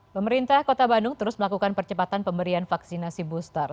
pemerintah kota bandung terus melakukan percepatan pemberian vaksinasi booster